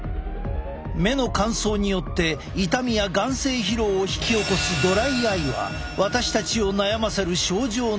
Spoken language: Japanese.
目の乾燥によって痛みや眼精疲労を引き起こすドライアイは私たちを悩ませる症状の一つ。